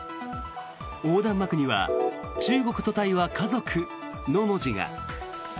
横断幕には「中国とタイは家族」の文字が。